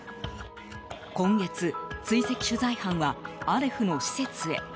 今月、追跡取材班はアレフの施設へ。